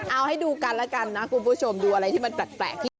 เอาให้ดูกันแล้วกันนะคุณผู้ชมดูอะไรที่มันแปลกที่